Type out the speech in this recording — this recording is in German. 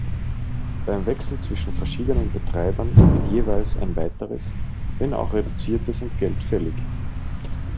Beim Wechsel zwischen verschiedenen Betreibern wird jeweils ein weiteres, wenn auch reduziertes Entgelt fällig.